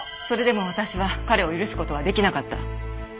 それでも私は彼を許す事はできなかった。